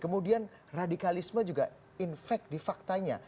kemudian radikalisme juga infek di faktanya